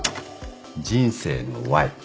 人生のＹ。